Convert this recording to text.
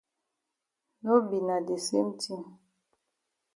No be na de same tin.